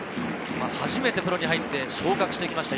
初めてプロに入って昇格してきました。